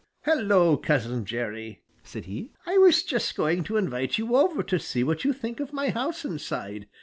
"Hello, Cousin Jerry!" said he. "I was just going to invite you over to see what you think of my house inside.